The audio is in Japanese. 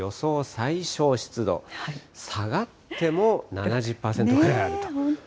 最小湿度、下がっても７０％ぐらいあると。